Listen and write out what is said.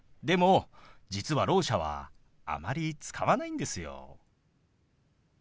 でも実はろう者はあまり使わないんですよ。